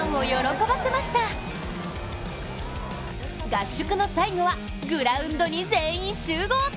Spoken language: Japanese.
合宿の最後はグラウンドに全員集合。